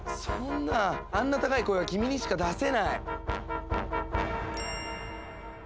そんなあんな高い声は君にしか出せない。